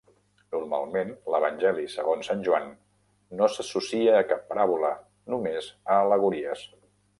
Normalment, l'Evangeli segons Sant Joan no s'associa a cap paràbola, només a al·legories.